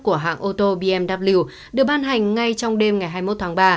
của hãng ô tô bmw được ban hành ngay trong đêm ngày hai mươi một tháng ba